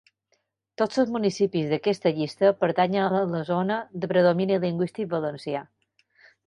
Tots els municipis d’aquesta llista pertanyen a la zona de predomini lingüístic valencià.